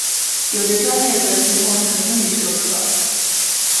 有的专业则提供纯英语授课。